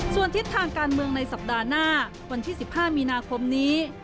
ส่วนทิศทางการเมืองในสัปดาห์หน้าวันที่๑๕มีนาคมนี้